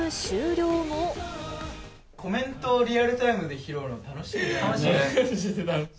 コメントをリアルタイムで拾楽しい。